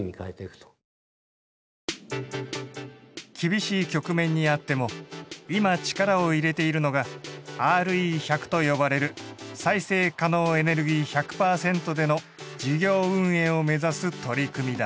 厳しい局面にあっても今力を入れているのがＲＥ１００と呼ばれる再生可能エネルギー１００％での事業運営をめざす取り組みだ。